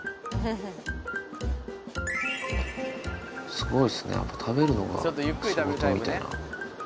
すごいですねやっぱ食べるのが仕事みたいな。